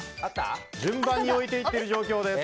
順番に置いていっている状況です。